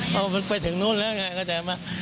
เพราะมันแรงเร็วแล้วสำรวจก็ตกลแรงมาก